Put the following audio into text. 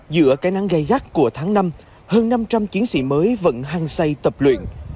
giữa cái nắng gây gắt của tháng năm hơn năm trăm linh chiến sĩ mới vẫn hăng say tập luyện